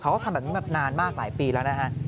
เขาก็ทำแบบนี้มานานมากหลายปีแล้วนะฮะ